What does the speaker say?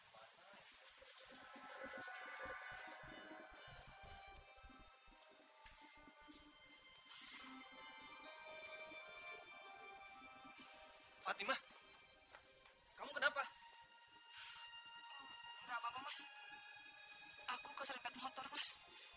masih banyak aku udah habis